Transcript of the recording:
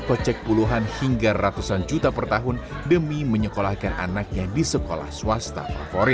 kocek puluhan hingga ratusan juta per tahun demi menyekolahkan anaknya di sekolah swasta favorit